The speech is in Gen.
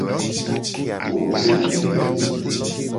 Wo gbe.